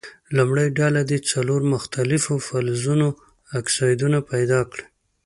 لومړۍ ډله دې څلور مختلفو فلزونو اکسایدونه پیداکړي.